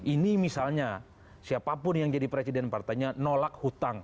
ini misalnya siapapun yang jadi presiden partainya nolak hutang